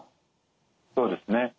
そうですね。